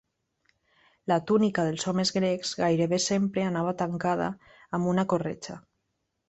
La túnica dels homes grecs gairebé sempre anava tancada amb una corretja.